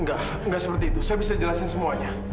nggak nggak seperti itu saya bisa jelasin semuanya